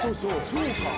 そうか。